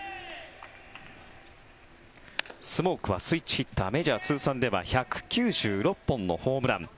スモークはスイッチヒッターメジャー通算では１９６本のホームラン。